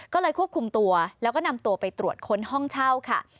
ก็เลยควบคุมตัวแล้วก็นำตัวไปตรวจค้นห้องเช่าค่ะ